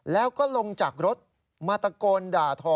แล้วก็ลงจากรถมาตะโกนด่าทอ